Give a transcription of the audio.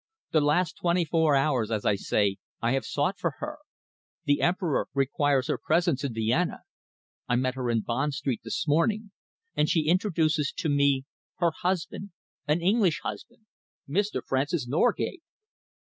The last twenty four hours, as I say, I have sought for her. The Emperor requires her presence in Vienna. I meet her in Bond Street this morning and she introduces to me her husband, an English husband, Mr. Francis Norgate!"